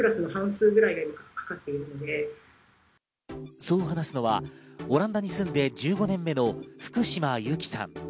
そう話すのはオランダに住んで１５年目の福島有紀さん。